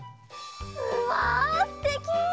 うわすてき！